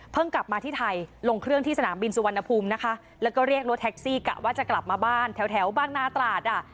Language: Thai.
กลับมาที่ไทยลงเครื่องที่สนามบินสุวรรณภูมินะคะแล้วก็เรียกรถแท็กซี่กะว่าจะกลับมาบ้านแถวแถวบางนาตราดอ่ะ